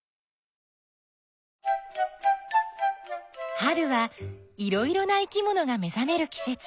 春はいろいろな生きものが目ざめるきせつ。